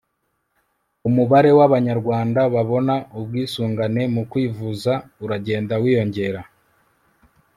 umubare w'abanyarwanda babona ubwisungane mu kwivuza uragenda wiyongera